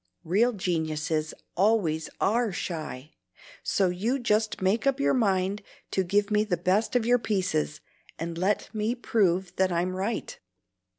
Real geniuses always ARE shy; so you just make up your mind to give me the best of your pieces, and let me prove that I'm right."